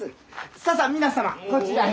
ささっ皆様こちらへ。